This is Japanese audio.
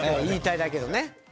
言いたいだけのね。